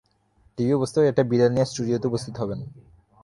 TV উপস্থাপক একটা বিড়াল নিয়ে স্টুডিওতে উপস্থিত হবেন।